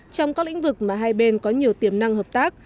trong các lĩnh vực mà hai bên có nhiều tiềm năng hợp tác